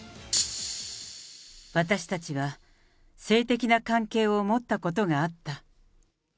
私たちは性的な関係を持ったことがあった。